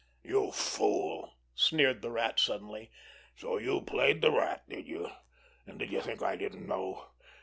"You fool!" sneered the Rat suddenly. "So you played the Rat, did you? And did you think I didn't know?